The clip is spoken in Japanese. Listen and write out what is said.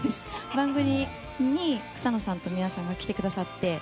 番組に草野さんと皆さんが来てくださって。